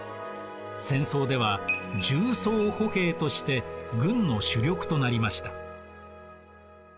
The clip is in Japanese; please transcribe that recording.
戦争では重装歩兵として軍の主力となりました。